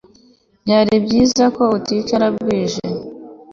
Byari byiza ko uticara bwije